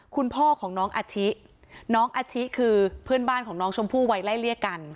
คุณพ่อของน้องอาชิน้องอาชิคือเพื่อนบ้านของน้องชมพู่วัยไล่เลี่ยกัน